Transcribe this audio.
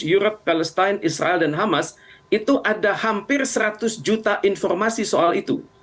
europe palestine israel dan hamas itu ada hampir seratus juta informasi soal itu